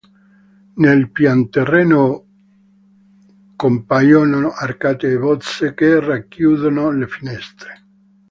Nel pianterreno compaiono arcate e bozze che racchiudono le finestre.